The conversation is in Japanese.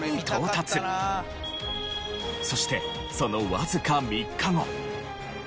そしてそのわずか３日後。